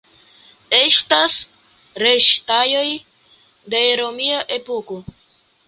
Estas restaĵoj de romia epoko.